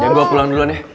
ya gue pulang duluan ya